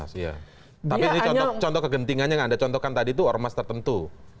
tapi ini contoh kegentingan yang anda contohkan tadi itu ormas tertentu